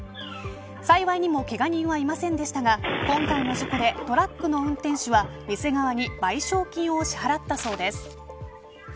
幸いにもけが人はいませんでしたが今回の事故でトラックの運転手は店側に賠償金を支払ったそうです。